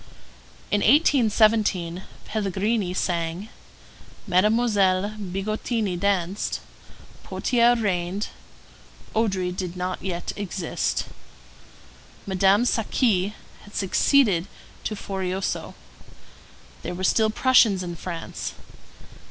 In 1817 Pelligrini sang; Mademoiselle Bigottini danced; Potier reigned; Odry did not yet exist. Madame Saqui had succeeded to Forioso. There were still Prussians in France.